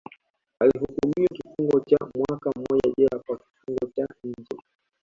Alihukumiwa kifungo cha mwaka mmoja jela kwa kifungo cha nje